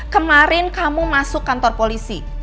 kemarin kamu masuk kantor polisi